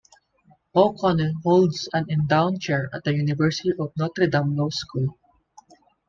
O'Connell holds an endowed chair at the University of Notre Dame Law School.